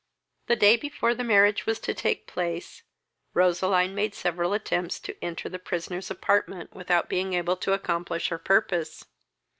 The day before the marriage was to take place, Roseline made several attempts to enter the prisoner's apartment without being able to accomplish her purpose.